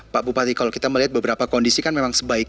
pak bupati kalau kita melihat beberapa kondisi kan memang sebaik